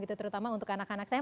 terutama untuk anak anak saya